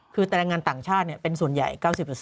คือแต่แรงงานต่างชาติเป็นส่วนใหญ่๙๐